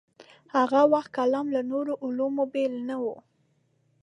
هاغه وخت کلام له نورو علومو بېل نه و.